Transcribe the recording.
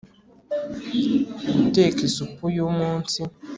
guteka 'isupu yumunsi